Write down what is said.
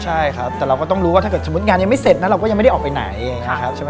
ใช่ครับแต่เราก็ต้องรู้ว่าถ้าเกิดสมมุติงานยังไม่เสร็จนะเราก็ยังไม่ได้ออกไปไหน